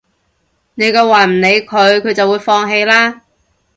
你夠話唔理佢，佢就會放棄啦